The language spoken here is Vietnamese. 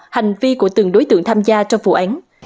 hành vi của từng đối tượng tham gia trong vụ án